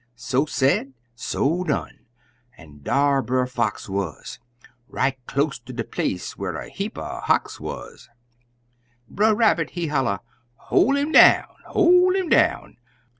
So said, so done! an' dar Brer Fox wuz, Right close ter de place whar a heap er knocks wuz! Brer Rabbit, he holla, "Hol' 'im down! hol' 'im down!